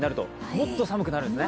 もっと寒くなるんですね？